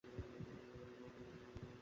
এবার second important কথা।